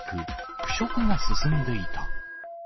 腐食が進んでいた。